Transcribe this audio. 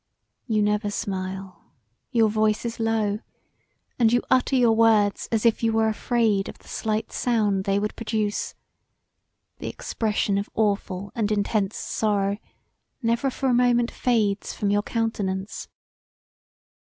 "You never smile: your voice is low, and you utter your words as if you were afraid of the slight sound they would produce: the expression of awful and intense sorrow never for a moment fades from your countenance.